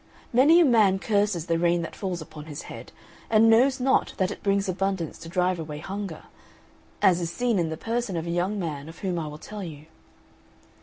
Many a man curses the rain that falls upon his head, and knows not that it brings abundance to drive away hunger; as is seen in the person of a young man of whom I will tell you.